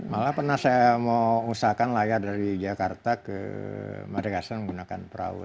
malah pernah saya mau usahakan layar dari jakarta ke madegasten menggunakan perahu